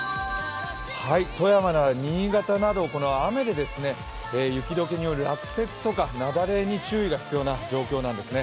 富山や新潟など、この雨で、雪解けによる落雪とか雪崩に注意が必要なんです。